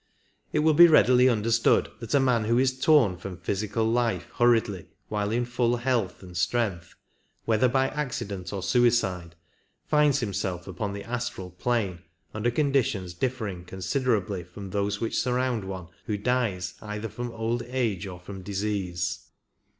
It will be readily understood that a man who is torn from physical life hurriedly while in full health and strength, whether by accident or suicide, finds himself upon the astral plane under conditions differing considerably from those which surround one who dies either from old age or from disease.